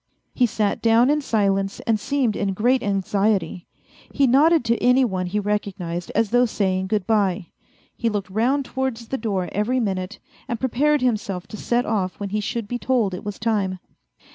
He sat down in silence and seemed in great anxiety. He nodded to any one he recognized as though saying good bye. He looked round towards the door every minute, and prepared himself to set off when he should be told it was time.